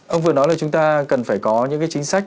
ông vừa nói là chúng ta cần phải có những cái chính sách